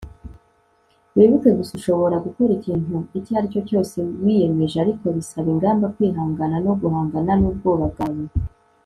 wibuke gusa, ushobora gukora ikintu icyo ari cyo cyose wiyemeje, ariko bisaba ingamba, kwihangana, no guhangana n'ubwoba bwawe